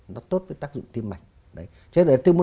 nó tốt với tác dụng tim mạnh